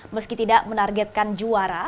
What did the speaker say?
meski tidak menargetkan juara